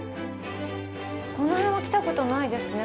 この辺は来たことないですね。